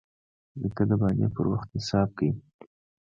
نیکه د بانې پر وخت انصاف کوي.